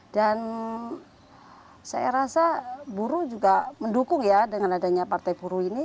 saya rasa buru juga mendukung ya dengan adanya partai buruh ini